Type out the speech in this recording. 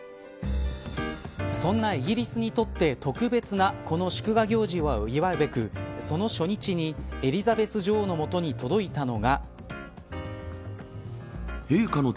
そんなイギリスにとって特別なこの祝賀行事を祝うべくその初日にエリザベス女王の元に届いたのが。